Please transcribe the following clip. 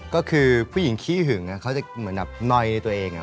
ก็คือผู้หญิงขี้หึงเขาจะเหมือนแบบนอยตัวเอง